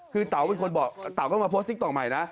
คือเต๋าเป็นคนบอกเต๋าก็มาโพสต์ติ๊กต๊อกใหม่นะ